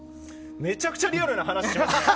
めちゃくちゃリアルな話しますね！